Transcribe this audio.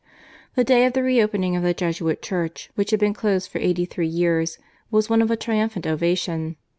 The day of the re opening of the Jesuit Church, which had been closed for eighty three years, was one of a triumphant ovation.